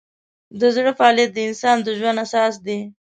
د زړه فعالیت د انسان د ژوند اساس دی.